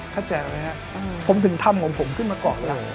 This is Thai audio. เข้าใจไหมครับผมถึงทำของผมขึ้นมาเกาะหลัง